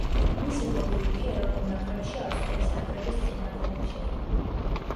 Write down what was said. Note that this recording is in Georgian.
მისი დებიუტი ეროვნულ ნაკრებში ავსტრიის ნაკრების წინააღმდეგ შედგა.